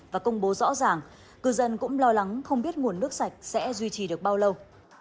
và công bố rõ ràng cư dân cũng lo lắng không biết nguồn nước sạch sẽ duy trì được bao lâu